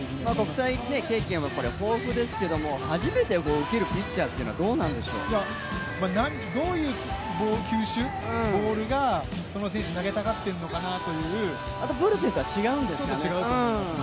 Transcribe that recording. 国際経験は豊富ですけど、初めて受けるピッチャーというのはどういう球種、ボールがその選手が投げたがっているのかなという、ブルペンとはちょっと違うと思いますね。